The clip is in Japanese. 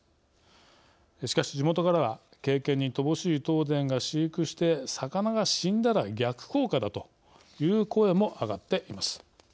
しかし地元からは経験に乏しい東電が飼育して魚が死んだら逆効果だという声も上がっています。